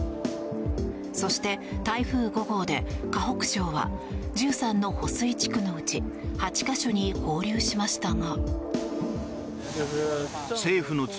そして、台風５号で河北省は１３の保水地区のうち８か所に放流しましたが。